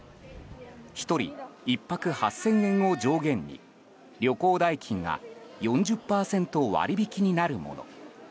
１人１泊８０００円を上限に旅行代金が４０％割引きになるもの。